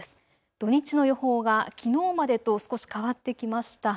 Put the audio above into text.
土日の予報がきのうまでと少し変わってきました。